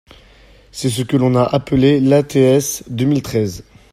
C’est ce que l’on a appelé l’ATS deux mille treize.